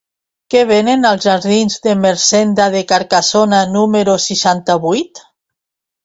Què venen als jardins d'Ermessenda de Carcassona número seixanta-vuit?